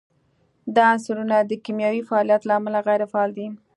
دا عنصرونه د کیمیاوي فعالیت له امله غیر فعال دي.